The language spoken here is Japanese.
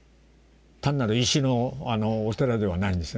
単なる石のお寺ではないんですね。